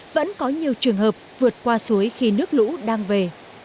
vẫn có nhiều trường hợp vượt qua suối khi nước lũ đang về